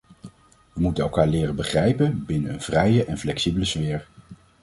We moeten elkaar leren begrijpen, binnen een vrije en flexibele sfeer.